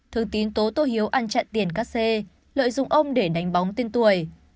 thương tín tố tô hiếu ăn chặn tiền các xê lợi dụng ông để đánh bóng tiên tuổi